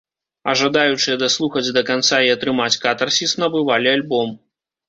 А жадаючыя даслухаць да канца і атрымаць катарсіс набывалі альбом.